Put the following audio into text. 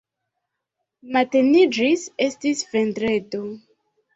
Mateniĝis, estis vendredo.